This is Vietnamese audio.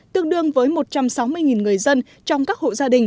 tương đương với một trăm sáu mươi người dân trong các hộ gia đình